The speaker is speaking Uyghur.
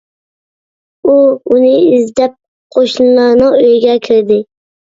ئۇ ئۇنى ئىزدەپ قوشنىلارنىڭ ئۆيىگە كىردى.